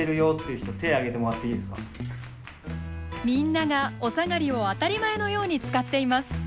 みんながおさがりを当たり前のように使っています。